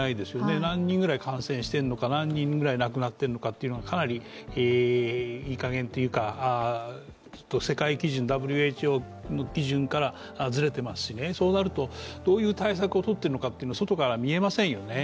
何人くらい感染しているのか、何人くらい亡くなっているのかがかなりいいかげんというか、きっと世界基準、ＷＨＯの基準からずれていますし、そうなると、どういう対策を取ってるのかというのが外から見えませんよね。